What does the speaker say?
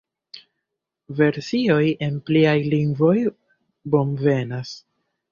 Versioj en pliaj lingvoj bonvenas.